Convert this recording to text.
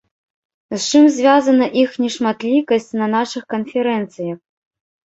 З чым звязана іх нешматлікасць на нашых канферэнцыях?